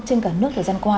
trên cả nước thời gian qua